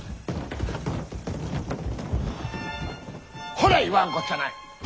ほら言わんこっちゃない！